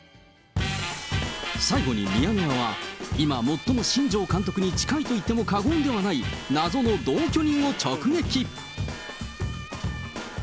最後にミヤネ屋は、今、最も新庄監督に近いといっても過言ではない謎の同居人を直撃。